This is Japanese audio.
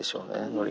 のり。